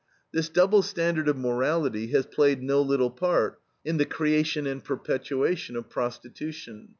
This double standard of morality has played no little part in the creation and perpetuation of prostitution.